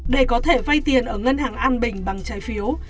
để có thể vay tiền ở ngân hàng an bình bằng trái phiếu